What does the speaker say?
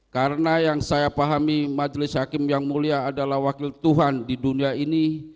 karena yang saya pahami majlis hakim yang mulia adalah wakil tuhan di dunia ini